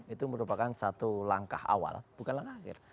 itu merupakan satu langkah awal bukan langkah akhir